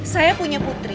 saya punya putri